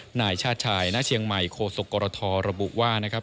นายชาติชายณเชียงใหม่โคศกรทระบุว่านะครับ